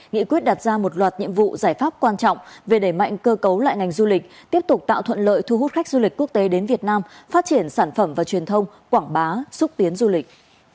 nghị quyết đặt ra một loạt nhiệm vụ giải pháp quan trọng về đẩy mạnh cơ cấu lại ngành du lịch tiếp tục tạo thuận lợi thu hút khách du lịch quốc tế đến việt nam phát triển sản phẩm và truyền thông quảng bá xúc tiến du lịch